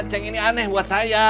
keceng ini aneh buat saya